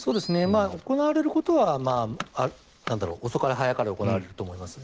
行われることは遅かれ早かれ行われると思います。